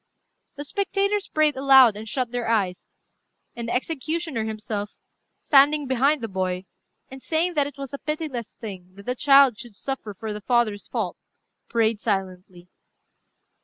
The spectators prayed aloud, and shut their eyes; and the executioner himself, standing behind the boy, and saying that it was a pitiless thing that the child should suffer for the father's fault, prayed silently.